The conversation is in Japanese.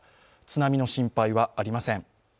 津波の心配はありません。